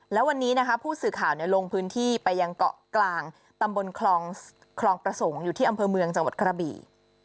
แล้ววันนี้นะคะผู้สื่อข่าวลงพื้นที่ไปยังเกาะกลางตำบลคลองประสงค์อยู่ที่อำเภอเมืองจังหวัดกระบี่